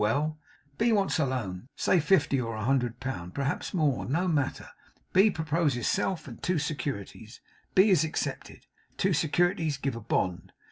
'Well!' 'B wants a loan. Say fifty or a hundred pound; perhaps more; no matter. B proposes self and two securities. B is accepted. Two securities give a bond.